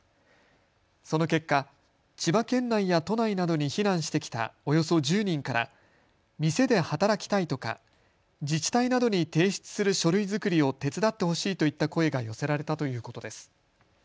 その結果、千葉県内や都内などに避難してきたおよそ１０人から店で働きたいとか自治体などに提出する書類作りを手伝ってほしいといった声が寄せられたということです。